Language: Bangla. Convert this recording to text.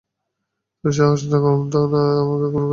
তোর সাহস তো কম না আমাকে কপি করিস, শালা মোটকু?